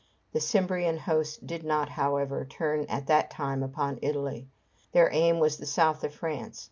The Cimbrian host did not, however, turn at that time upon Italy. Their aim was the south of France.